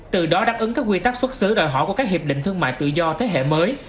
từ đó đáp ứng các quy tắc xuất xứ đòi hỏi của các hiệp định thương mại tự do thế hệ mới